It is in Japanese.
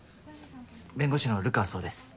弁護士の流川蒼です。